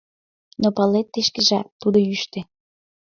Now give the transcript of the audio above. Но палет тый шкежат: тудо йӱштӧ.